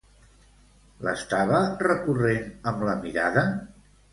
L'estava recorrent amb la mirada?